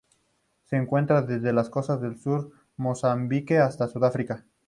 Se encuentra desde las costas del sur de Mozambique hasta Sudáfrica.